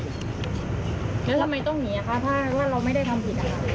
แล้วทำไมต้องหนีอะคะถ้าเราไม่ได้ทำผิดอะค่ะ